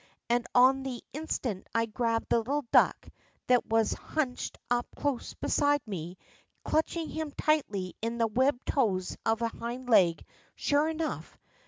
And on the instant I grabbed the little duck that was hunched up close beside me., clutching him tightly in the webbed toes of a hind leg. Sure enough